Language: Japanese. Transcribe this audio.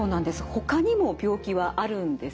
ほかにも病気はあるんですね。